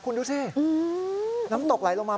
คุณดูสิน้ำตกไหลลงมา